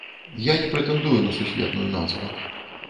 Я не прэтэндую на сусветную назву.